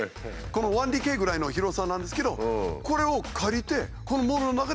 １ＤＫぐらいの広さなんですけどこれを借りてええ！